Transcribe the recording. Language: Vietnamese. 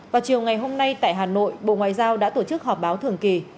vào chiều ngày hôm nay tại hà nội bộ ngoại giao đã tổ chức họp báo thường kỳ